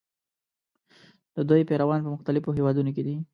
د دوی پیروان په مختلفو هېوادونو کې دي.